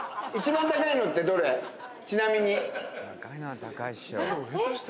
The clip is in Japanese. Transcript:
ちなみに。